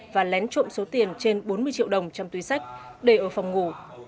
và lén trộm số tiền trên bốn mươi triệu đồng trong túi sách để ở phòng ngủ